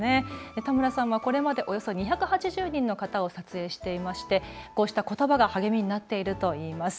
田村さんはこれまでおよそ２８０人の方を撮影していましてこうしたことばが励みになっているといいます。